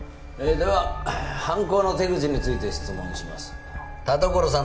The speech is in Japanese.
では犯行の手口について質問します田所さん